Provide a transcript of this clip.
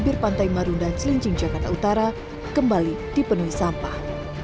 membuang sampah membuat bibir pantai marunda celincing jakarta utara kembali dipenuhi sampah